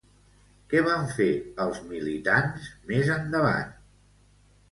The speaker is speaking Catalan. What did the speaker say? Què van fer els militants més endavant?